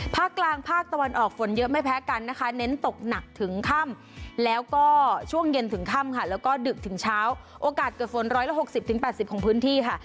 ภาคกลางภาคตะวันออกฝนเยอะไม่แพ้กันนะคะเน้นตกหนักถึงค่ำแล้วก็ช่วงเย็นถึงค่ำค่ะแล้วก็ดึกถึงเช้าโอกาสเกิดฝน๑๖๐๘๐ของพื้นที่ค่ะ